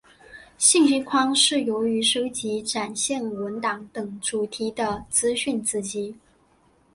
信息框是由于收集展现文档等主题的资讯子集。